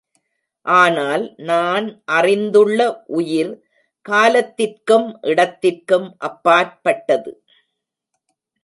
ஆனால், நான் அறிந்துள்ள உயிர் காலத்திற்கும் இடத்திற்கும் அப்பாற்பட்டது.